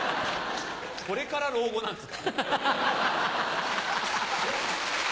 これから老後なんですか。